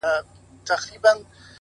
د ژوند ښکلا په مانا کې ده!